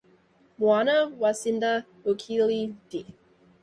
Mwana wasinda ukilila dii.